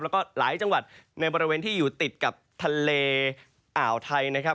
แล้วก็หลายจังหวัดในบริเวณที่อยู่ติดกับทะเลอ่าวไทยนะครับ